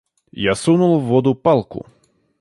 Я сунул в воду палку.